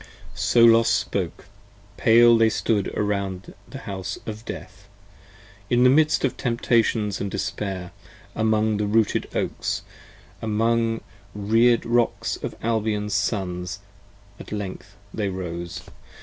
80 So Los spoke. Pale they stood around the House of Death : In the midst of temptations & despair: among the rooted Oaks: 82 Among reared Rocks of Albion's Sons: at length they rose p.